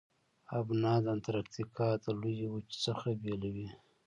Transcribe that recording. ابنا د انتارکتیکا د لویې وچې څخه بیلوي.